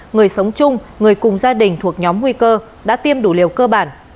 người sống chung người cùng gia đình thuộc nhóm nguy cơ đã tiêm đủ liều cơ bản